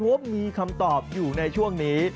เพราะว่ามีคำตอบอยู่ในช่วงนี้